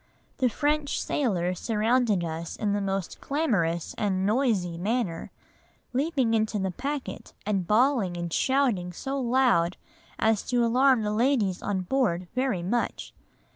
The French sailors surrounded us in the most clamorous and noisy manner, leaping into the packet and bawling and shouting so loud as to alarm the ladies on board very much.